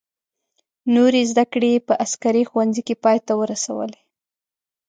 نورې زده کړې یې په عسکري ښوونځي کې پای ته ورسولې.